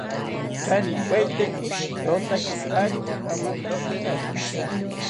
Inkanipaeteki rotaki kaari okamanta inchashi